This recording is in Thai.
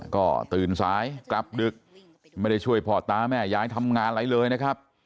ก็ตื่นสายกลับดึกไม่ได้ช่วยพ่อตาแม่ยายทำงานอะไรเลยนะครับ